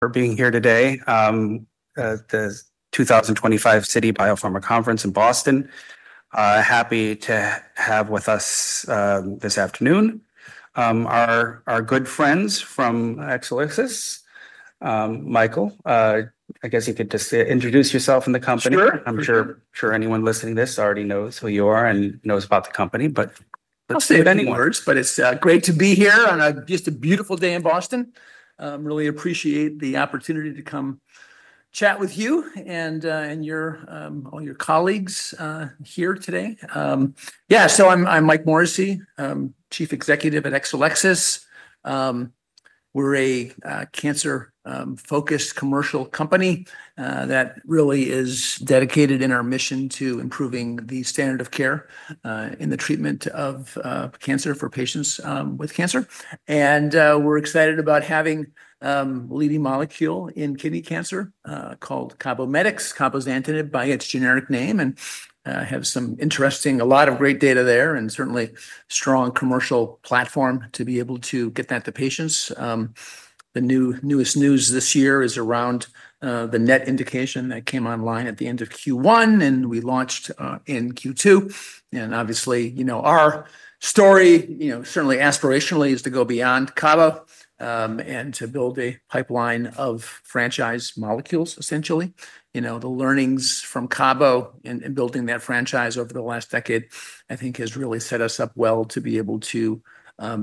... for being here today at the 2025 Citi Biopharma Conference in Boston. Happy to have with us this afternoon our good friends from Exelixis. Michael, I guess you could just introduce yourself and the company. Sure, sure. I'm sure anyone listening to this already knows who you are and knows about the company, but if you want. I'll say a few words, but it's great to be here on just a beautiful day in Boston. Really appreciate the opportunity to come chat with you and your colleagues here today. So I'm Mike Morrissey, I'm Chief Executive at Exelixis. We're a cancer-focused commercial company that really is dedicated in our mission to improving the standard of care in the treatment of cancer for patients with cancer. And we're excited about having leading molecule in kidney cancer called CABOMETYX, cabozantinib by its generic name, and have a lot of great data there, and certainly strong commercial platform to be able to get that to patients. The newest news this year is around the NET indication that came online at the end of Q1, and we launched in Q2. And obviously, you know, our story, you know, certainly aspirationally, is to go beyond Cabo and to build a pipeline of franchise molecules, essentially. You know, the learnings from Cabo and building that franchise over the last decade, I think has really set us up well to be able to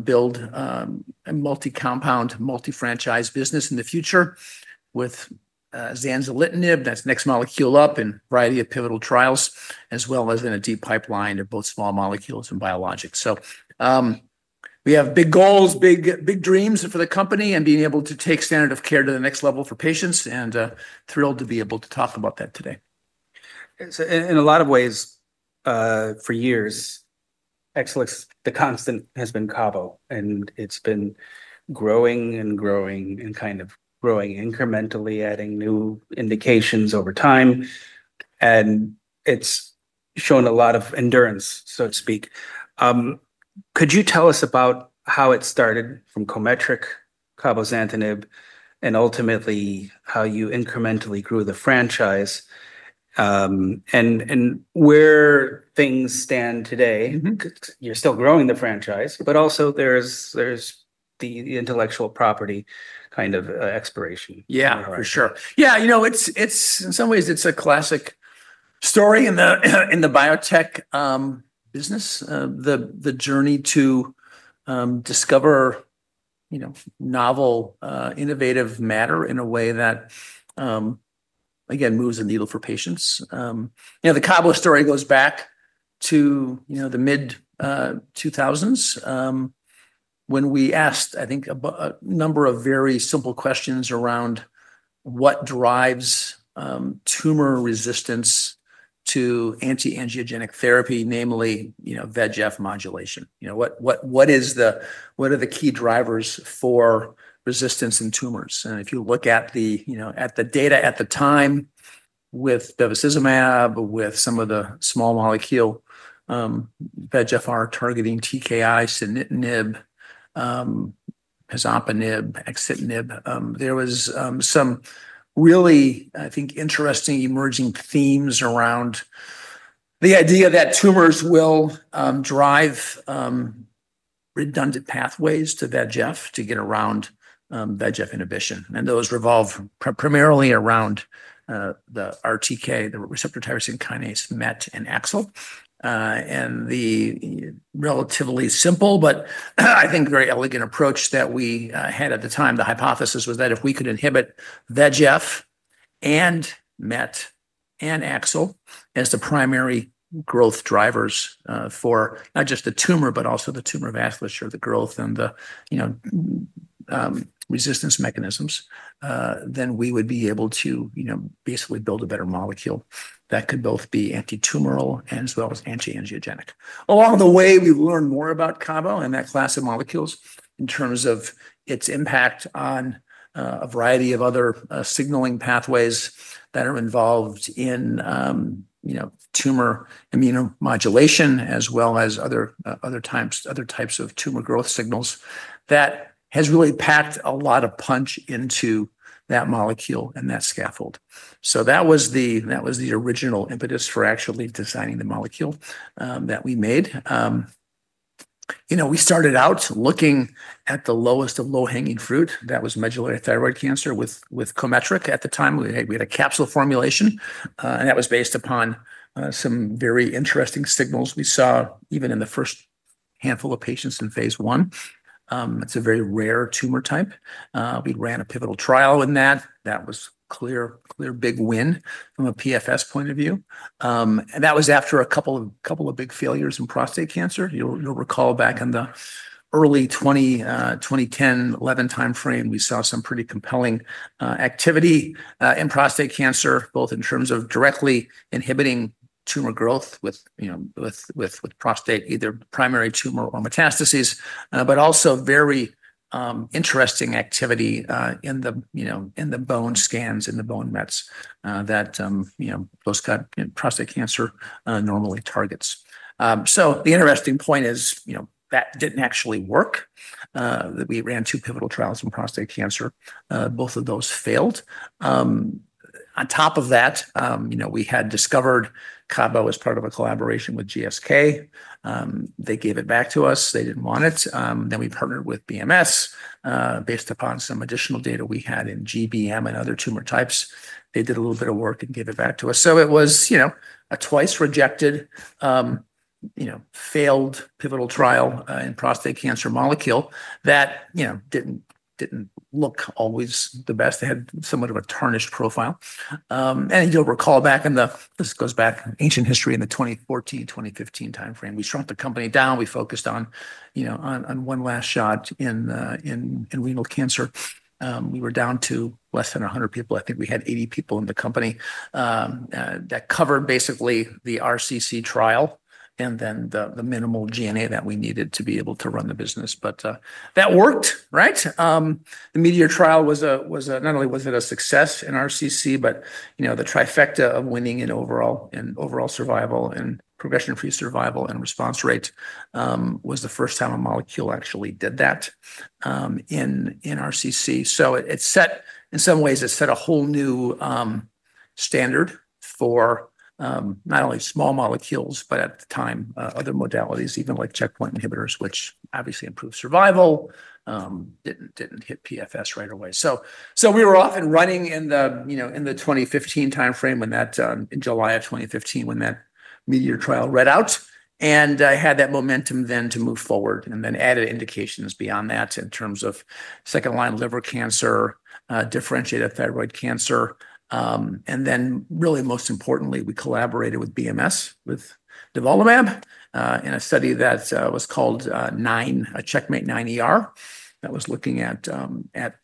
build a multi-compound, multi-franchise business in the future with zanzalintinib. That's the next molecule up in a variety of pivotal trials, as well as in a deep pipeline of both small molecules and biologics. We have big goals, big dreams for the company and being able to take standard of care to the next level for patients, and thrilled to be able to talk about that today. So in a lot of ways, for years, Exelixis, the constant has been cabo, and it's been growing and growing and kind of growing incrementally, adding new indications over time, and it's shown a lot of endurance, so to speak. Could you tell us about how it started from COMETRIQ, cabozantinib, and ultimately how you incrementally grew the franchise, and where things stand today? Mm-hmm. You're still growing the franchise, but also there's the intellectual property kind of exploration. Yeah, for sure. Yeah, you know, it's in some ways a classic story in the biotech business. The journey to discover, you know, novel innovative matter in a way that again moves the needle for patients. You know, the cabo story goes back to, you know, the mid 2000s, when we asked, I think, a number of very simple questions around what drives tumor resistance to anti-angiogenic therapy, namely, you know, VEGF modulation. You know, what are the key drivers for resistance in tumors? And if you look at the, you know, at the data at the time with bevacizumab, with some of the small molecule, VEGF-R targeting TKI, sunitinib, pazopanib, axitinib, there was, some really, I think, interesting emerging themes around the idea that tumors will, drive, redundant pathways to VEGF to get around, VEGF inhibition. And those revolve primarily around, the RTK, the receptor tyrosine kinase, MET and AXL. And the relatively simple, but I think very elegant approach that we had at the time, the hypothesis was that if we could inhibit VEGF and MET and AXL as the primary growth drivers for not just the tumor, but also the tumor vasculature, the growth and the you know resistance mechanisms, then we would be able to you know basically build a better molecule that could both be anti-tumoral as well as anti-angiogenic. Along the way, we've learned more about cabo and that class of molecules in terms of its impact on a variety of other signaling pathways that are involved in you know tumor immunomodulation, as well as other types of tumor growth signals. That has really packed a lot of punch into that molecule and that scaffold. That was the original impetus for actually designing the molecule that we made. You know, we started out looking at the lowest of low-hanging fruit. That was medullary thyroid cancer with COMETRIQ at the time. We had a capsule formulation, and that was based upon some very interesting signals we saw even in the first handful of patients in phase I. It's a very rare tumor type. We ran a pivotal trial in that. That was clear big win from a PFS point of view, and that was after a couple of big failures in prostate cancer. You'll recall back in the early twenty-ten, eleven timeframe, we saw some pretty compelling activity in prostate cancer, both in terms of directly inhibiting tumor growth with, you know, prostate, either primary tumor or metastases, but also very interesting activity in the, you know, bone scans, in the bone mets that, you know, those prostate cancer normally targets. So the interesting point is, you know, that didn't actually work, that we ran two pivotal trials in prostate cancer. Both of those failed. On top of that, you know, we had discovered Cabo as part of a collaboration with GSK. They gave it back to us. They didn't want it. Then we partnered with BMS based upon some additional data we had in GBM and other tumor types. They did a little bit of work and gave it back to us. So it was, you know, a twice rejected, you know, failed pivotal trial in prostate cancer molecule that, you know, didn't look always the best. They had somewhat of a tarnished profile. And you'll recall, this goes back in ancient history, in the 2014, 2015 timeframe, we shrunk the company down. We focused on, you know, on one last shot in renal cancer. We were down to less than 100 people. I think we had 80 people in the company that covered basically the RCC trial and then the minimal G&A that we needed to be able to run the business. But, that worked, right? The METEOR trial was not only a success in RCC, but, you know, the trifecta of winning in overall survival and progression-free survival and response rate was the first time a molecule actually did that in RCC. So it set in some ways a whole new standard for not only small molecules, but at the time other modalities, even like checkpoint inhibitors, which obviously improved survival didn't hit PFS right away. So we were off and running in the, you know, in the 2015 timeframe, when that in July of 2015, when that METEOR trial read out. And had that momentum then to move forward and then added indications beyond that in terms of second-line liver cancer, differentiated thyroid cancer. And then really, most importantly, we collaborated with BMS, with nivolumab in a study that was called CheckMate 9ER, that was looking at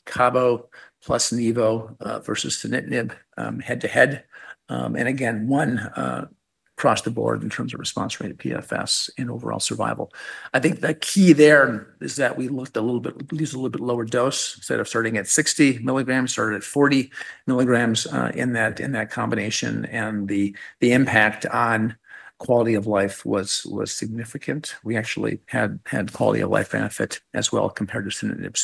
Cabo plus Nivo versus sunitinib head-to-head. And again, won across the board in terms of response rate of PFS and overall survival. I think the key there is that we used a little bit lower dose. Instead of starting at 60 milligrams, started at 40 milligrams in that combination, and the impact on quality of life was significant. We actually had quality-of-life benefit as well compared to sunitinib.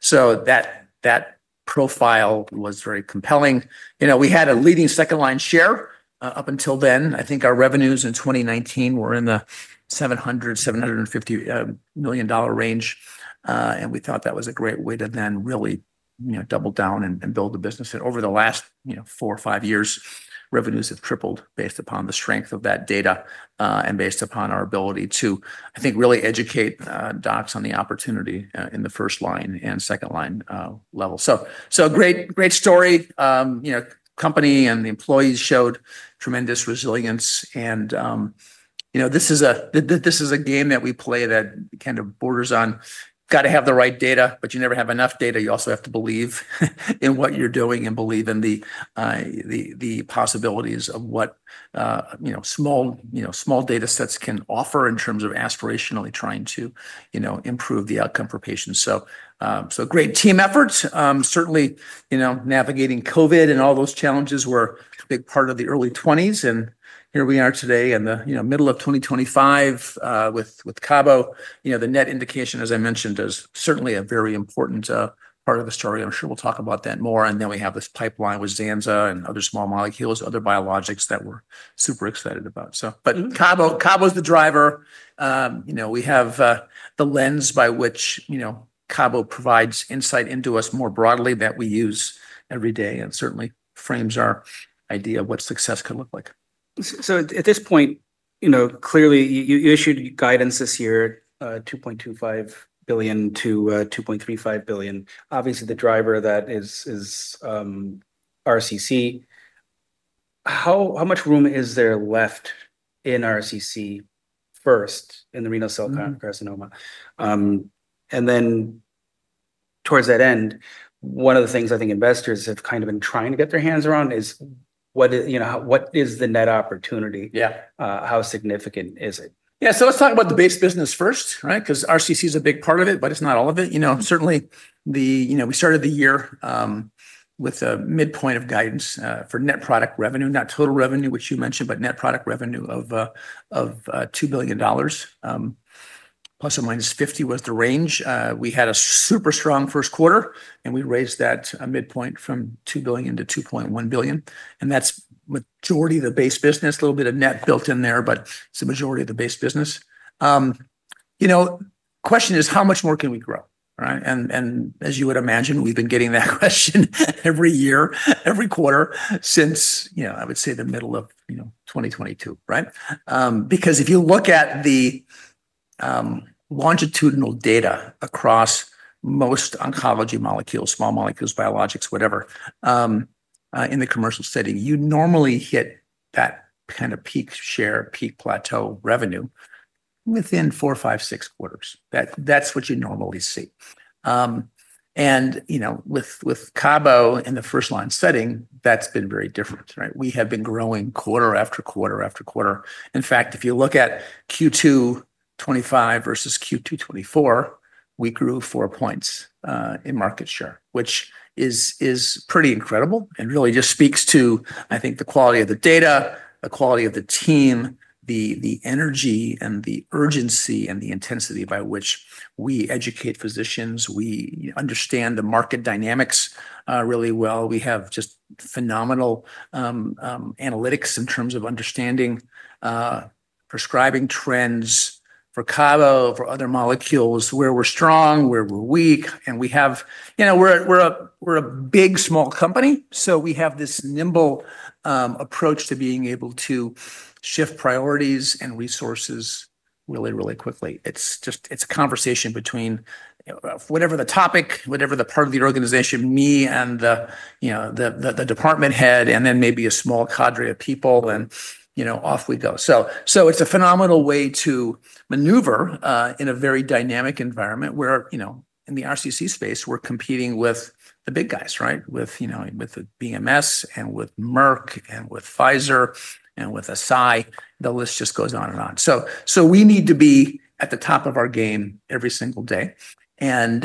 So that profile was very compelling. You know, we had a leading second-line share up until then. I think our revenues in 2019 were in the $700 to 750 million range. And we thought that was a great way to then really, you know, double down and build the business. Over the last, you know, 4 or 5 years, revenues have tripled based upon the strength of that data and based upon our ability to, I think, really educate docs on the opportunity in the first line and second line level. So great story. You know, the company and the employees showed tremendous resilience and, you know, this is a game that we play that kind of borders on, gotta have the right data, but you never have enough data. You also have to believe in what you're doing and believe in the possibilities of what you know, small, you know, small data sets can offer in terms of aspirationally trying to, you know, improve the outcome for patients. So, so great team efforts. Certainly, you know, navigating COVID and all those challenges were a big part of the early twenties, and here we are today in the, you know, middle of 2025, with Cabo. You know, the net indication, as I mentioned, is certainly a very important part of the story. I'm sure we'll talk about that more, and then we have this pipeline with Zanza and other small molecules, other biologics that we're super excited about. So, but Cabo, Cabo is the driver. You know, we have the lens by which, you know, Cabo provides insight into us more broadly that we use every day, and certainly frames our idea of what success could look like. So at this point, you know, clearly, you issued guidance this year, $2.25 billion to 2.35 billion. Obviously, the driver of that is RCC. How much room is there left in RCC first, in the renal cell carcinoma? And then towards that end, one of the things I think investors have kind of been trying to get their hands around is what, you know, what is the net opportunity? Yeah. How significant is it? Yeah, so let's talk about the base business first, right? 'Cause RCC is a big part of it, but it's not all of it. You know, certainly the... You know, we started the year with a midpoint of guidance for net product revenue, not total revenue, which you mentioned, but net product revenue of $2 billion. Plus or minus 50 was the range. We had a super strong Q1, and we raised that midpoint from $2 billion to 2.1 billion, and that's majority of the base business. A little bit of net built in there, but it's the majority of the base business. You know, question is, how much more can we grow, right? As you would imagine, we've been getting that question every year, every quarter, since, you know, I would say the middle of, you know, 2022, right? Because if you look at the longitudinal data across most oncology molecules, small molecules, biologics, whatever, in the commercial setting, you normally hit that kind of peak share, peak plateau revenue within four, five, six quarters. That's what you normally see. And, you know, with Cabo in the first line setting, that's been very different, right? We have been growing quarter after quarter after quarter. In fact, if you look at Q2 2025 versus Q2 2024, we grew four points in market share, which is pretty incredible and really just speaks to, I think, the quality of the data, the quality of the team-... the energy and the urgency and the intensity by which we educate physicians. We understand the market dynamics really well. We have just phenomenal analytics in terms of understanding prescribing trends for cabo, for other molecules, where we're strong, where we're weak. You know, we're a big, small company, so we have this nimble approach to being able to shift priorities and resources really, really quickly. It's just it's a conversation between whatever the topic, whatever the part of the organization, me and the, you know, the department head, and then maybe a small cadre of people, and, you know, off we go. So it's a phenomenal way to maneuver in a very dynamic environment, where, you know, in the RCC space, we're competing with the big guys, right? With, you know, with the BMS, and with Merck, and with Pfizer, and with Eisai. The list just goes on and on, so we need to be at the top of our game every single day, and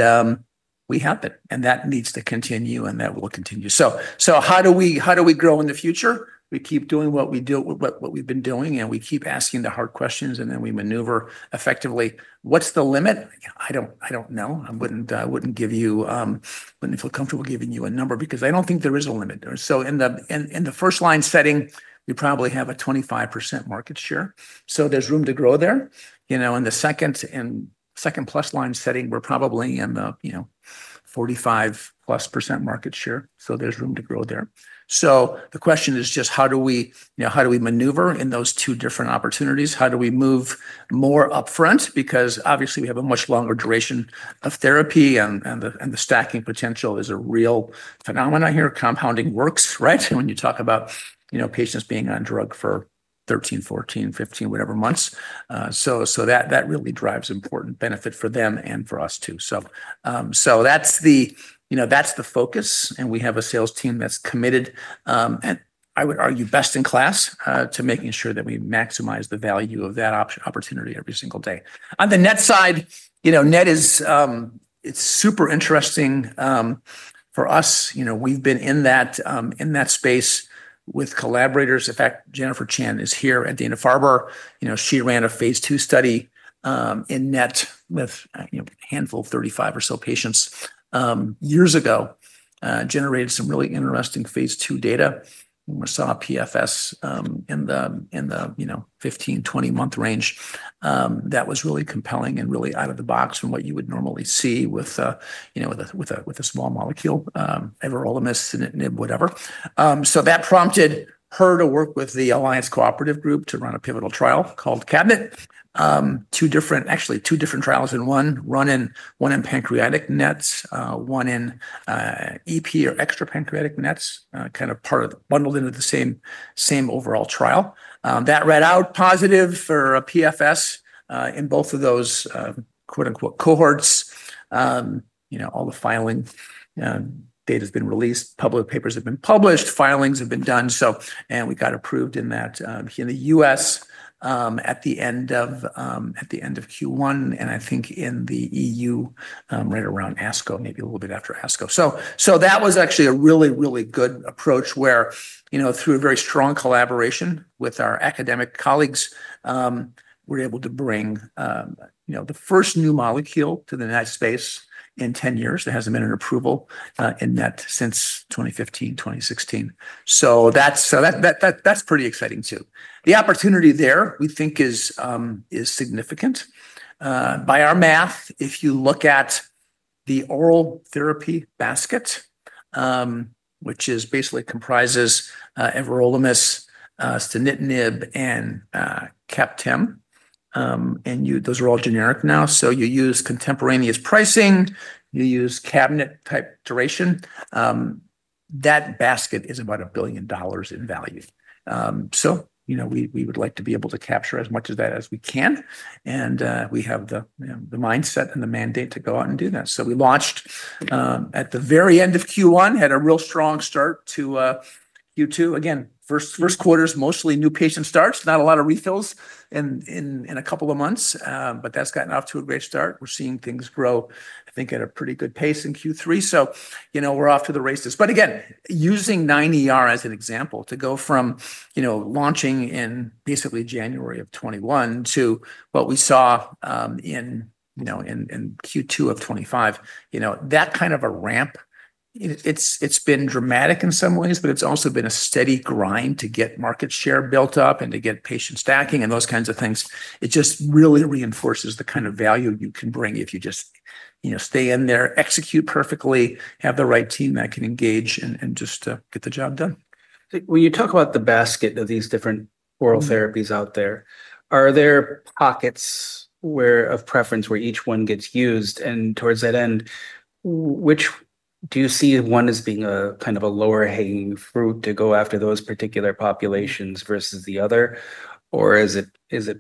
we have been, and that needs to continue, and that will continue, so how do we grow in the future? We keep doing what we've been doing, and we keep asking the hard questions, and then we maneuver effectively. What's the limit? I don't know. I wouldn't feel comfortable giving you a number because I don't think there is a limit, so in the first-line setting, we probably have a 25% market share, so there's room to grow there. You know, in the second and second-plus line setting, we're probably in the 45% plus market share, so there's room to grow there. The question is just how do we, you know, how do we maneuver in those two different opportunities? How do we move more upfront? Because obviously, we have a much longer duration of therapy, and the stacking potential is a real phenomenon here. Compounding works, right? When you talk about, you know, patients being on drug for 13, 14, 15, whatever months. So that really drives important benefit for them and for us, too. So that's the focus, and we have a sales team that's committed, and I would argue, best in class, to making sure that we maximize the value of that opportunity every single day. On the NET side, you know, NET is, it's super interesting, for us. You know, we've been in that space with collaborators. In fact, Jennifer Chan is here at Dana-Farber. You know, she ran a phase II study in NET with, you know, a handful of 35 or so patients, years ago, generated some really interesting phase II data. We saw PFS in the 15 to 20 month range. That was really compelling and really out of the box from what you would normally see with, you know, with a small molecule, everolimus, sunitinib, whatever. So that prompted her to work with the Alliance Cooperative Group to run a pivotal trial called CABINET. Actually, two different trials in one: one in pancreatic NETs, one in EP or extra-pancreatic NETs, kind of bundled into the same overall trial. That read out positive for a PFS in both of those, quote, unquote, "cohorts." You know, all the filing data's been released, public papers have been published, filings have been done, and we got approved in that here in the U.S. at the end of Q1, and I think in the E.U. right around ASCO, maybe a little bit after ASCO. So that was actually a really, really good approach, where, you know, through a very strong collaboration with our academic colleagues, we're able to bring, you know, the first new molecule to the NET space in ten years. There hasn't been an approval in NET since 2015, 2016. So that's pretty exciting, too. The opportunity there, we think, is significant. By our math, if you look at the oral therapy basket, which is basically comprises everolimus, sunitinib, and CAPTEM, and those are all generic now. So you use contemporaneous pricing, you use CABINET-type duration. That basket is about $1 billion in value. So you know, we would like to be able to capture as much of that as we can, and we have, you know, the mindset and the mandate to go out and do that. So we launched at the very end of Q1, had a real strong start to Q2. Again, Q1's mostly new patient starts, not a lot of refills in a couple of months, but that's gotten off to a great start. We're seeing things grow, I think, at a pretty good pace in Q3. So, you know, we're off to the races. But again, using 9ER as an example, to go from, you know, launching in basically January of 2021 to what we saw in Q2 of 2025, you know, that kind of a ramp, it's been dramatic in some ways, but it's also been a steady grind to get market share built up and to get patient stacking and those kinds of things. It just really reinforces the kind of value you can bring if you just, you know, stay in there, execute perfectly, have the right team that can engage, and just get the job done. When you talk about the basket of these different oral therapies- Mm-hmm... out there, are there pockets of preference where each one gets used? And towards that end, which do you see one as being a kind of a lower-hanging fruit to go after those particular populations versus the other, or is it, is it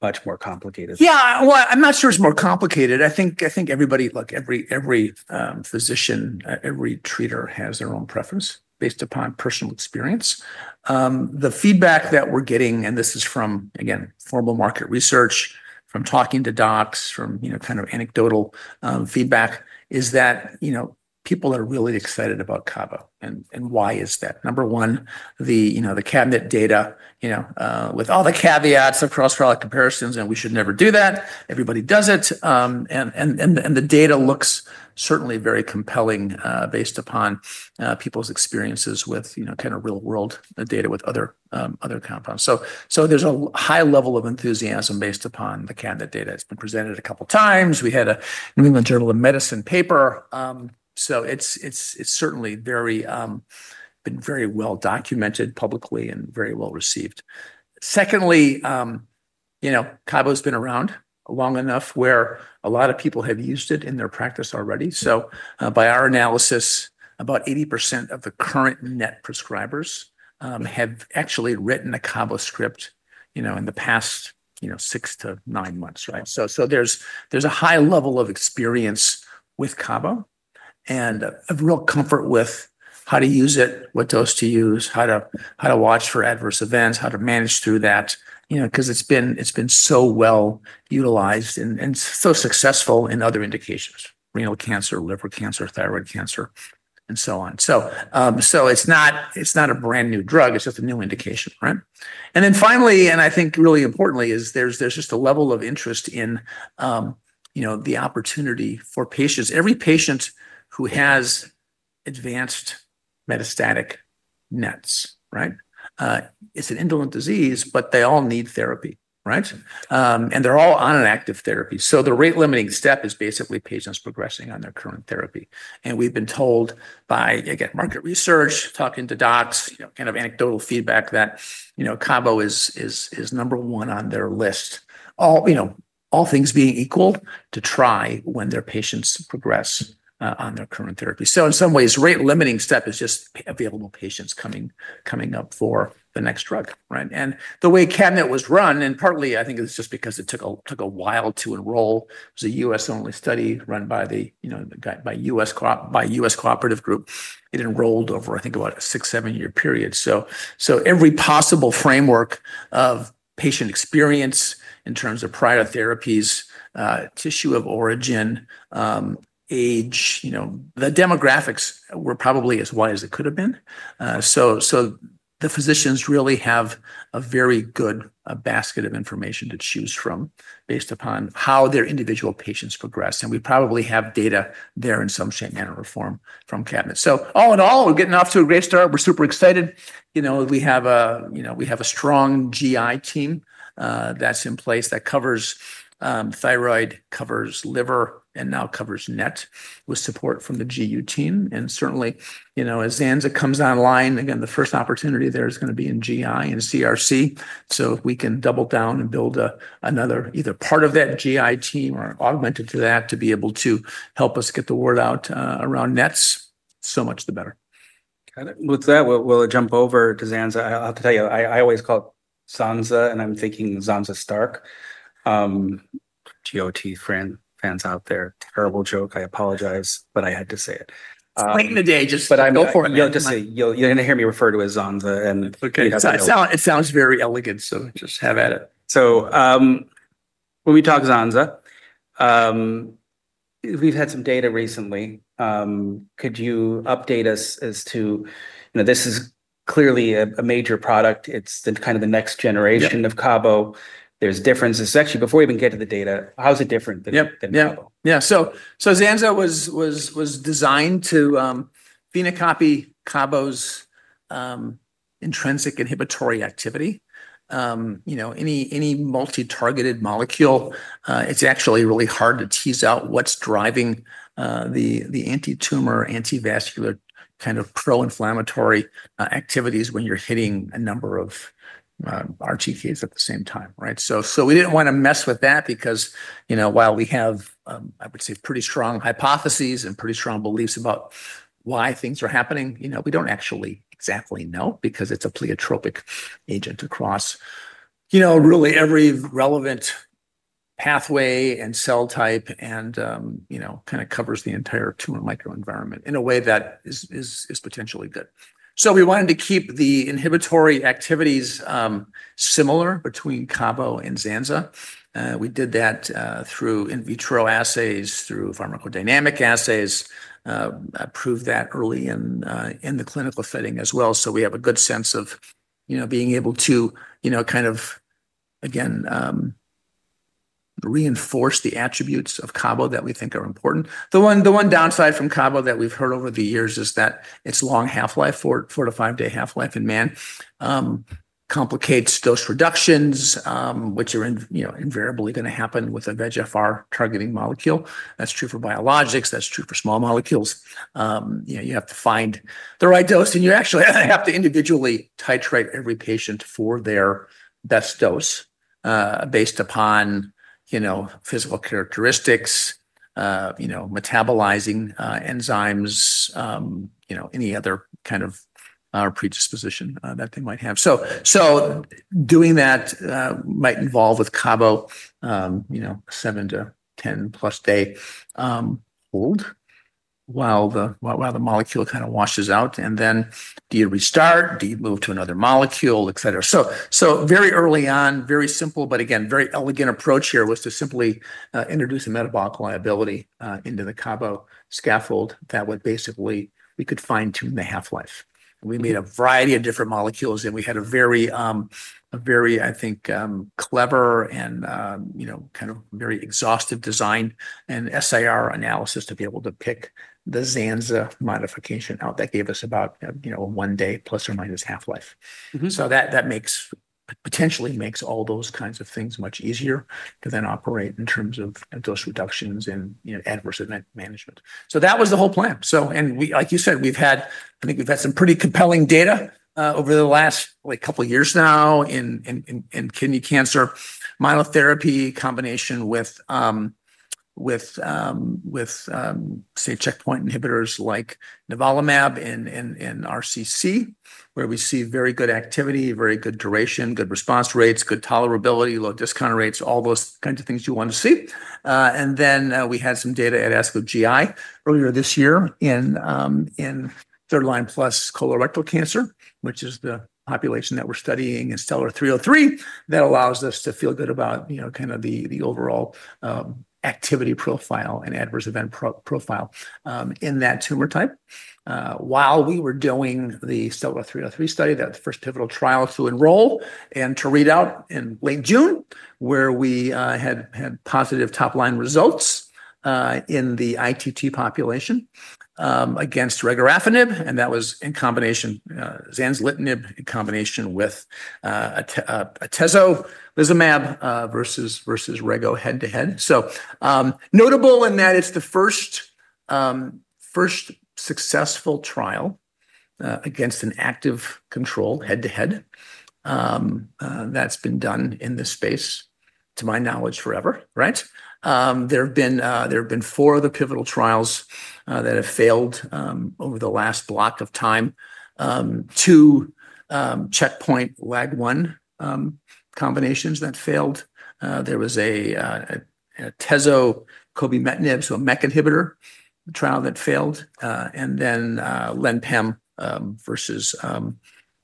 much more complicated? Yeah, well, I'm not sure it's more complicated. I think everybody look, every physician, every treater has their own preference based upon personal experience. The feedback that we're getting, and this is from, again, formal market research from talking to docs, from, you know, kind of anecdotal feedback, is that, you know, people are really excited about Cabo, and why is that? Number one, the, you know, the CABINET data, you know, with all the caveats across product comparisons, and we should never do that. Everybody does it. And the data looks certainly very compelling, based upon people's experiences with, you know, kind of real-world data with other compounds. So there's a high level of enthusiasm based upon the CABINET data. It's been presented a couple of times. We had a New England Journal of Medicine paper. So it's certainly very been very well documented publicly and very well received. Secondly, you know, Cabo's been around long enough where a lot of people have used it in their practice already. So, by our analysis, about 80% of the current NET prescribers have actually written a Cabo script, you know, in the past, you know, six to nine months, right? So there's a high level of experience with Cabo and a real comfort with how to use it, what dose to use, how to watch for adverse events, how to manage through that. You know, 'cause it's been so well utilized and so successful in other indications: renal cancer, liver cancer, thyroid cancer, and so on. So it's not, it's not a brand-new drug, it's just a new indication, right? And then finally, and I think really importantly, is there's just a level of interest in you know the opportunity for patients. Every patient who has advanced metastatic NETs, right? It's an indolent disease, but they all need therapy, right? And they're all on an active therapy. So the rate-limiting step is basically patients progressing on their current therapy. And we've been told by again market research, talking to docs, you know kind of anecdotal feedback that you know Cabo is number one on their list. All you know all things being equal, to try when their patients progress on their current therapy. So in some ways, rate-limiting step is just available patients coming up for the next drug, right? And the way CABINET was run, and partly I think it was just because it took a while to enroll, it was a U.S.-only study run by the, you know, by U.S. cooperative group. It enrolled over, I think, about a six, seven-year period. So every possible framework of patient experience in terms of prior therapies, tissue of origin, age, you know, the demographics were probably as wide as it could have been. So the physicians really have a very good, a basket of information to choose from based upon how their individual patients progress, and we probably have data there in some shape, manner, or form from CABINET. So all in all, we're getting off to a great start. We're super excited. You know, we have a, you know, we have a strong GI team that's in place that covers thyroid, covers liver, and now covers NET with support from the GU team. And certainly, you know, as Zanza comes online, again, the first opportunity there is gonna be in GI and CRC. So if we can double down and build another either part of that GI team or augmented to that to be able to help us get the word out around NETs, so much the better. Got it. With that, we'll jump over to Zanza. I have to tell you, I always call it Zanza, and I'm thinking Sansa Stark. GOT friends out there. Terrible joke, I apologize, but I had to say it. It's late in the day, just- But I'm- Go for it, man. You're gonna hear me refer to it as Zanza, and- Okay. It sounds- It sounds very elegant, so just have at it. So, when we talk Zanza, we've had some data recently. Could you update us as to... You know, this is clearly a major product. It's kind of the next generation- Yep... of Cabo. There’s differences. Actually, before we even get to the data, how is it different than- Yep... than Cabo? Yeah. So Zanza was designed to phenocopy Cabo's intrinsic inhibitory activity. You know, any multi-targeted molecule, it's actually really hard to tease out what's driving the anti-tumor, anti-vascular, kind of pro-inflammatory activities when you're hitting a number of RTK's at the same time, right? So we didn't wanna mess with that because, you know, while we have, I would say, pretty strong hypotheses and pretty strong beliefs about why things are happening, you know, we don't actually exactly know because it's a pleiotropic agent across, you know, really every relevant pathway and cell type and, you know, kind of covers the entire tumor microenvironment in a way that is potentially good. So we wanted to keep the inhibitory activities similar between Cabo and Zanza. We did that through in vitro assays, through pharmacodynamic assays, approved that early in the clinical setting as well. So we have a good sense of, you know, being able to, you know, kind of, again, reinforce the attributes of Cabo that we think are important. The one downside from Cabo that we've heard over the years is that its long half-life, four- to five-day half-life in man, complicates dose reductions, which are, you know, invariably gonna happen with a VEGF-R targeting molecule. That's true for biologics, that's true for small molecules. You know, you have to find the right dose, and you actually have to individually titrate every patient for their best dose, based upon, you know, physical characteristics, you know, metabolizing enzymes, you know, any other kind of predisposition that they might have. So doing that might involve with Cabo, you know, seven to 10-plus-day hold while the molecule kind of washes out, and then do you restart? Do you move to another molecule, et cetera? So very early on, very simple, but again, very elegant approach here was to simply introduce a metabolic liability into the Cabo scaffold that would basically, we could fine-tune the half-life. We made a variety of different molecules, and we had a very, I think, clever and, you know, kind of very exhaustive design and SAR analysis to be able to pick the Zanza modification out. That gave us about, you know, one day plus or minus half-life. Mm-hmm. So that potentially makes all those kinds of things much easier to then operate in terms of dose reductions and, you know, adverse event management. So that was the whole plan. So, and we, like you said, we've had, I think, some pretty compelling data over the last, like, couple years now in kidney cancer, monotherapy combination with, say, checkpoint inhibitors like nivolumab in RCC, where we see very good activity, very good duration, good response rates, good tolerability, low discontinuation rates, all those kinds of things you want to see. And then we had some data at ASCO GI earlier this year in third line plus colorectal cancer, which is the population that we're studying in STELLAR-303, that allows us to feel good about, you know, kind of the overall activity profile and adverse event profile in that tumor type. While we were doing the STELLAR-303 study, that first pivotal trial to enroll and to read out in late June, where we had positive top line results in the ITT population against regorafenib, and that was in combination, zanzalintinib in combination with atezolizumab versus Rego head-to-head, so notable in that it's the first successful trial against an active control head-to-head that's been done in this space, to my knowledge, forever, right? There have been four other pivotal trials that have failed over the last block of time. Two checkpoint WAG one combinations that failed. There was a Atezo, cobimetinib, so a MEK inhibitor, trial that failed, and then LenPem versus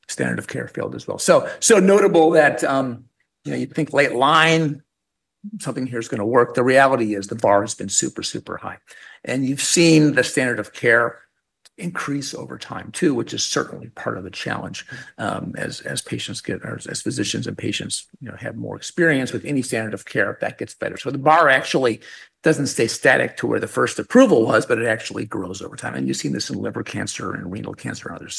standard of care failed as well. So, so notable that, you know, you'd think late line, something here is gonna work. The reality is the bar has been super, super high, and you've seen the standard of care increase over time, too, which is certainly part of the challenge. As patients get or as physicians and patients, you know, have more experience with any standard of care, that gets better. So the bar actually doesn't stay static to where the first approval was, but it actually grows over time, and you've seen this in liver cancer and renal cancer and others.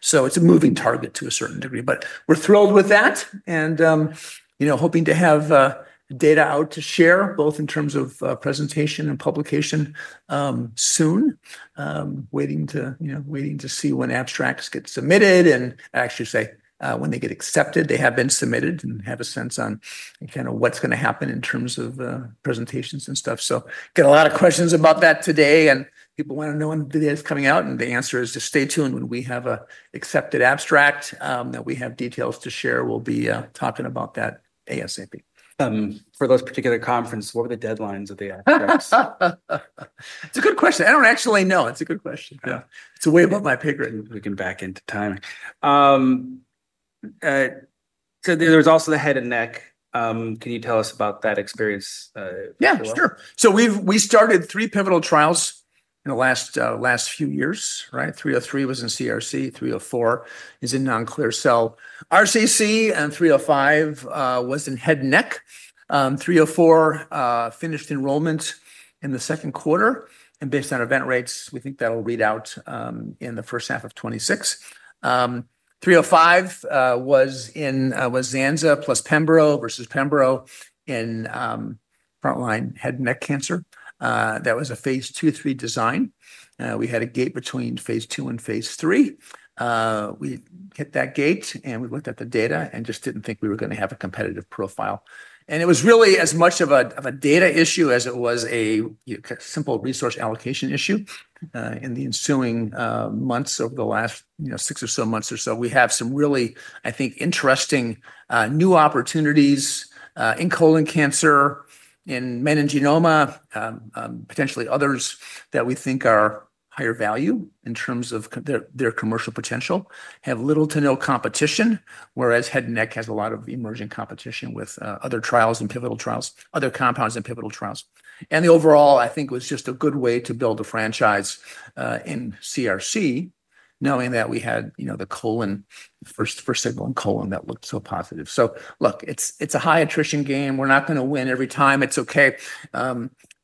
So it's a moving target to a certain degree, but we're thrilled with that and, you know, hoping to have data out to share, both in terms of presentation and publication, soon. You know, waiting to see when abstracts get submitted and actually say when they get accepted, they have been submitted and have a sense on kind of what's gonna happen in terms of presentations and stuff. So get a lot of questions about that today, and people wanna know when the data is coming out, and the answer is to stay tuned. When we have an accepted abstract that we have details to share, we'll be talking about that ASAP. For those particular conference, what are the deadlines of the abstracts? It's a good question. I don't actually know. It's a good question. Yeah. It's way above my pay grade. We can back into timing. So there's also the head and neck. Can you tell us about that experience, as well? Yeah, sure. So we've started three pivotal trials in the last few years, right? STELLAR-303 was in CRC, STELLAR-304 is in non-clear cell RCC and STELLAR-305 was in head and neck. STELLAR-304 finished enrollment in the Q2, and based on event rates, we think that'll read out in the first half of 2026. STELLAR-305 was Zanza plus Pembro versus Pembro in frontline head and neck cancer. That was a phase II, III design. We had a gate between phase II and phase III. We hit that gate, and we looked at the data and just didn't think we were gonna have a competitive profile. It was really as much of a data issue as it was a simple resource allocation issue. In the ensuing months, over the last, you know, six or so months or so, we have some really, I think, interesting new opportunities in colon cancer, in meningioma, potentially others that we think are higher value in terms of their commercial potential, have little to no competition, whereas head and neck has a lot of emerging competition with other trials and pivotal trials - other compounds and pivotal trials. And the overall, I think, was just a good way to build a franchise in CRC, knowing that we had, you know, the colon first signal in colon that looked so positive. So look, it's a high attrition game. We're not gonna win every time. It's okay.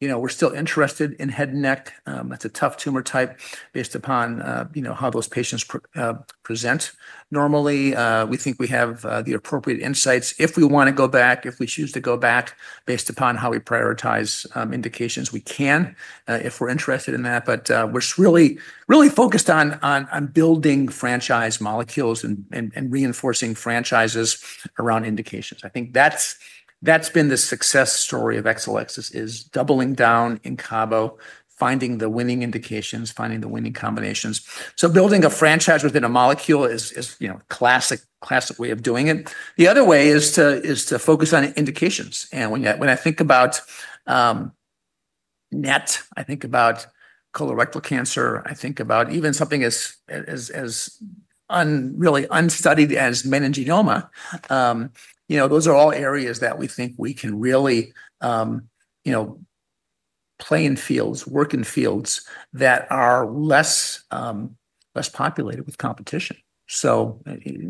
You know, we're still interested in head and neck. That's a tough tumor type based upon, you know, how those patients present. Normally, we think we have the appropriate insights. If we wanna go back, if we choose to go back based upon how we prioritize indications, we can, if we're interested in that. But, we're really, really focused on building franchise molecules and reinforcing franchises around indications. I think that's been the success story of Exelixis, is doubling down in Cabo, finding the winning indications, finding the winning combinations. So building a franchise within a molecule is, you know, classic way of doing it. The other way is to focus on indications. And when I think about net, I think about colorectal cancer, I think about even something as really unstudied as meningioma. You know, those are all areas that we think we can really, you know, play in fields, work in fields that are less, less populated with competition. So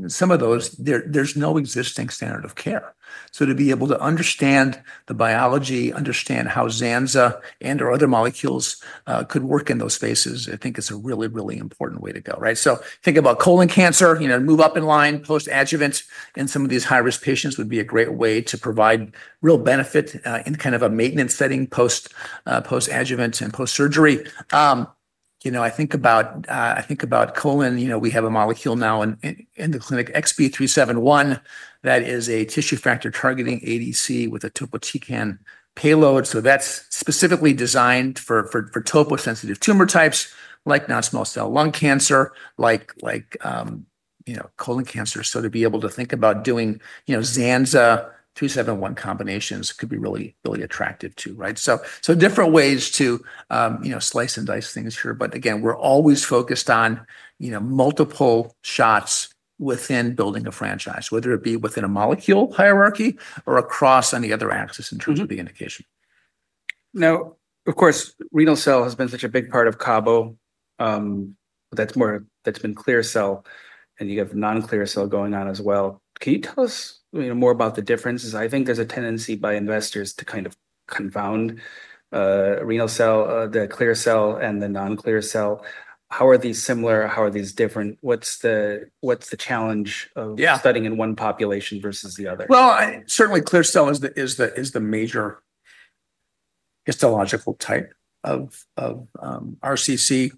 some of those, there's no existing standard of care. So to be able to understand the biology, understand how Zanza and/or other molecules could work in those spaces, I think is a really, really important way to go, right? So think about colon cancer, you know, move up in line, post-adjuvant in some of these high-risk patients would be a great way to provide real benefit in kind of a maintenance setting, post, post-adjuvant and post-surgery. You know, I think about colon, you know, we have a molecule now in the clinic, XB371, that is a tissue factor targeting ADC with a topotecan payload. So that's specifically designed for topo-sensitive tumor types, like non-small cell lung cancer, like you know, colon cancer. So to be able to think about doing, you know, Zanza, XB371 combinations could be really, really attractive too, right? So different ways to you know, slice and dice things here, but again, we're always focused on, you know, multiple shots within building a franchise, whether it be within a molecule hierarchy or across any other axis in- Mm-hmm... terms of the indication. Now, of course, renal cell has been such a big part of Cabo. That's been clear cell, and you have non-clear cell going on as well. Can you tell us, you know, more about the differences? I think there's a tendency by investors to kind of confound renal cell, the clear cell and the non-clear cell. How are these similar? How are these different? What's the challenge of- Yeah... studying in one population versus the other? Certainly, clear cell is the major histological type of RCC.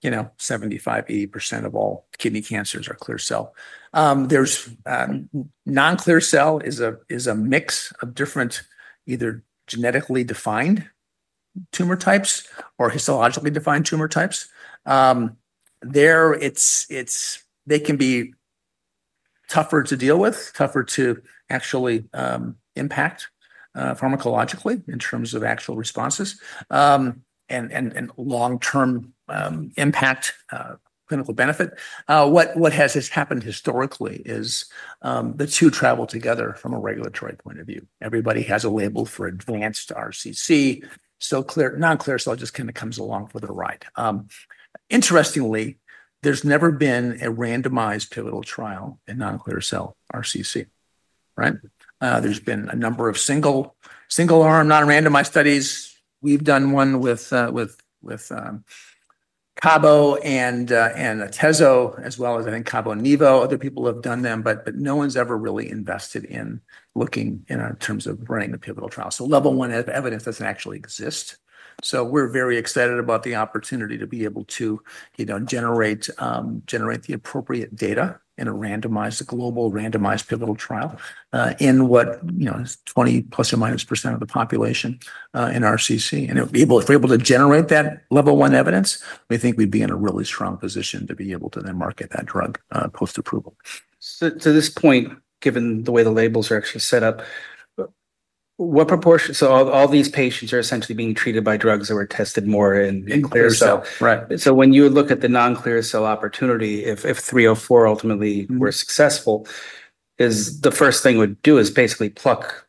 You know, 75% to 80% of all kidney cancers are clear cell. There's non-clear cell is a mix of different, either genetically defined tumor types or histologically defined tumor types. There, it's, it's they can be tougher to deal with, tougher to actually impact pharmacologically in terms of actual responses, and long-term impact clinical benefit. What has happened historically is the two travel together from a regulatory point of view. Everybody has a label for advanced RCC, so clear non-clear cell just kinda comes along for the ride. Interestingly, there's never been a randomized pivotal trial in non-clear cell RCC, right? There's been a number of single arm, non-randomized studies. We've done one with Cabo and atezo, as well as I think Cabo nivo. Other people have done them, but no one's ever really invested in looking in terms of running a pivotal trial. So level one evidence doesn't actually exist. So we're very excited about the opportunity to be able to, you know, generate the appropriate data in a randomized global randomized pivotal trial in what, you know, is 20 plus or minus percent of the population in RCC. And if we're able to generate that level one evidence, we think we'd be in a really strong position to be able to then market that drug post-approval. To this point, given the way the labels are actually set up, what proportion? All these patients are essentially being treated by drugs that were tested more in clear cell? In clear cell, right. So when you look at the non-clear cell opportunity, if 304 ultimately- Mm... were successful, is the first thing it would do is basically pluck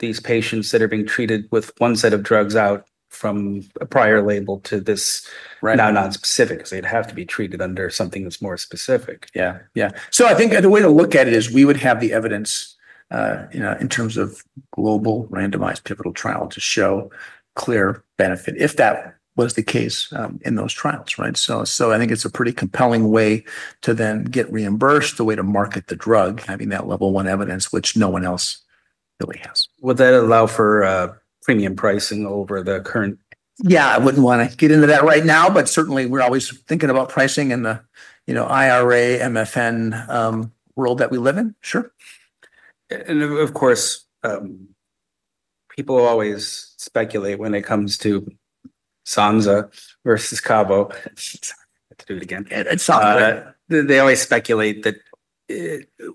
these patients that are being treated with one set of drugs out from a prior label to this- Right... now nonspecific, 'cause they'd have to be treated under something that's more specific. Yeah, yeah. So I think the way to look at it is we would have the evidence, you know, in terms of global randomized pivotal trial to show clear benefit, if that was the case, in those trials, right? So, so I think it's a pretty compelling way to then get reimbursed, the way to market the drug, having that level one evidence, which no one else really has. Would that allow for premium pricing over the current? Yeah, I wouldn't wanna get into that right now, but certainly we're always thinking about pricing in the, you know, IRA, MFN, world that we live in. Sure. Of course, people always speculate when it comes to Zanza versus Cabo. Let's do it again. It's Zanza. They always speculate that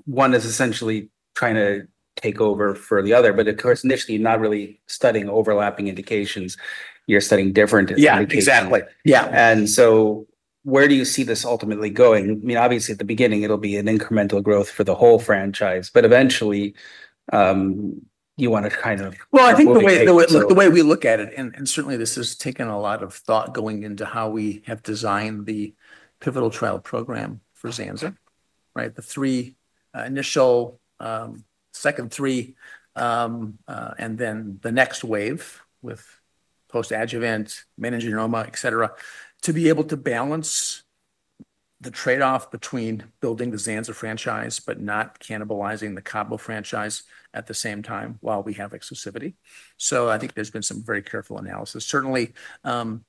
one is essentially trying to take over for the other, but of course, initially, you're not really studying overlapping indications. You're studying different indications. Yeah, exactly. Yeah. And so where do you see this ultimately going? I mean, obviously, at the beginning, it'll be an incremental growth for the whole franchise, but eventually, you wanna kind of- I think the way-... take it so. the way we look at it, and certainly this has taken a lot of thought going into how we have designed the pivotal trial program for Zanza, right? The three initial second three, and then the next wave with post-adjuvant, meningioma, et cetera, to be able to balance the trade-off between building the Zanza franchise, but not cannibalizing the Cabo franchise at the same time, while we have exclusivity. So I think there's been some very careful analysis. Certainly, I'm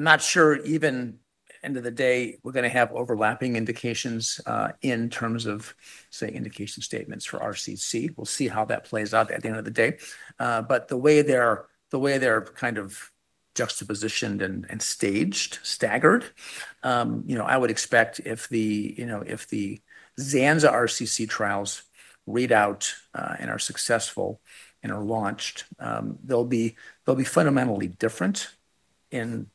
not sure even end of the day, we're gonna have overlapping indications, in terms of, say, indication statements for RCC. We'll see how that plays out at the end of the day. But the way they're kind of juxtaposed and staged, staggered, you know, I would expect if the Zanza RCC trials read out and are successful and are launched, they'll be fundamentally different in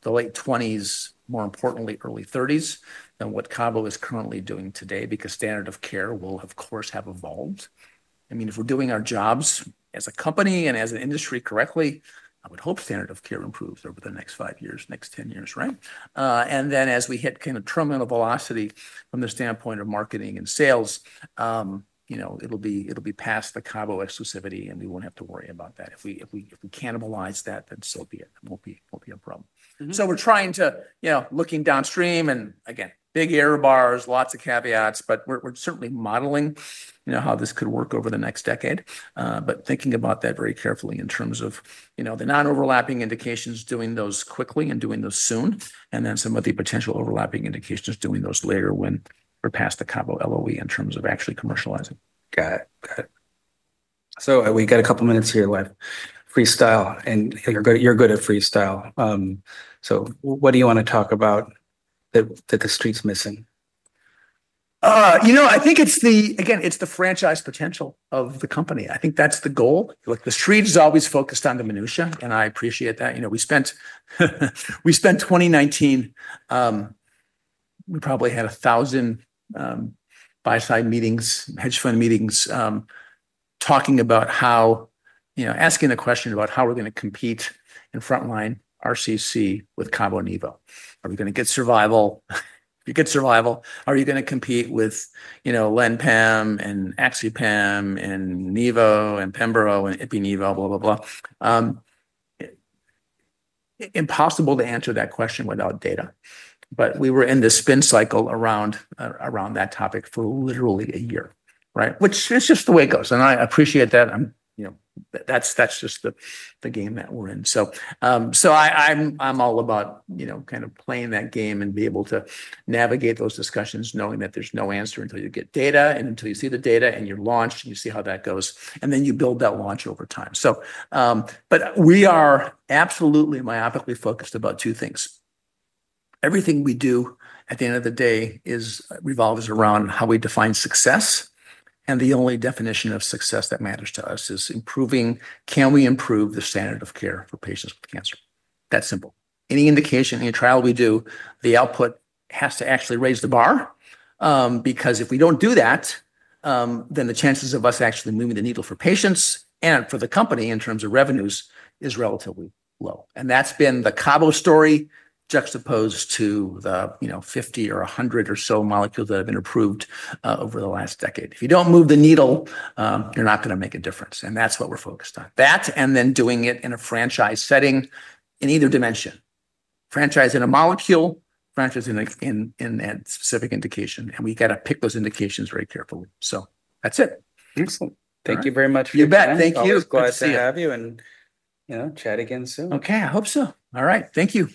the late twenties, more importantly, early thirties, than what Cabo is currently doing today, because standard of care will, of course, have evolved. I mean, if we're doing our jobs as a company and as an industry correctly, I would hope standard of care improves over the next five years, next ten years, right? And then as we hit kind of terminal velocity from the standpoint of marketing and sales, you know, it'll be past the Cabo exclusivity, and we won't have to worry about that. If we cannibalize that, then so be it. It won't be a problem. Mm-hmm. So we're trying to, you know, looking downstream, and again, big error bars, lots of caveats, but we're, we're certainly modeling, you know, how this could work over the next decade. But thinking about that very carefully in terms of, you know, the non-overlapping indications, doing those quickly and doing those soon, and then some of the potential overlapping indications, doing those later when we're past the Cabo LOE in terms of actually commercializing. Got it. Got it. So we got a couple minutes here left. Freestyle, and you're good, you're good at freestyle. So what do you want to talk about that the street's missing? You know, I think it's the, again, it's the franchise potential of the company. I think that's the goal. Look, the street is always focused on the minutiae, and I appreciate that. You know, we spent 2019, we probably had 1,000 buy-side meetings, hedge fund meetings, talking about how, you know, asking the question about how we're going to compete in frontline RCC with Cabo and nivo. Are we going to get survival? If you get survival, are you going to compete with, you know, LenPem and AxiPem and Nivo and Pembro and Ipi/Nivo, blah, blah, blah? Impossible to answer that question without data, but we were in this spin cycle around that topic for literally a year, right? Which is just the way it goes, and I appreciate that. You know, that's just the game that we're in. So, I'm all about, you know, kind of playing that game and be able to navigate those discussions, knowing that there's no answer until you get data and until you see the data, and you're launched, and you see how that goes, and then you build that launch over time. So, but we are absolutely myopically focused about two things. Everything we do at the end of the day is revolves around how we define success, and the only definition of success that matters to us is improving, can we improve the standard of care for patients with cancer? That simple. Any indication, any trial we do, the output has to actually raise the bar, because if we don't do that, then the chances of us actually moving the needle for patients and for the company in terms of revenues is relatively low. And that's been the Cabo story, juxtaposed to the, you know, fifty or a hundred or so molecules that have been approved over the last decade. If you don't move the needle, you're not going to make a difference, and that's what we're focused on. That, and then doing it in a franchise setting in either dimension. Franchise in a molecule, franchise in a, in that specific indication, and we got to pick those indications very carefully. So that's it. Excellent. All right. Thank you very much for your time. You bet. Thank you. Always glad to have you- Good to see you. And, you know, chat again soon. Okay, I hope so. All right. Thank you.